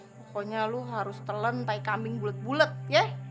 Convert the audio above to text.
kokonya lo harus telan tai kambing bulet bulet ya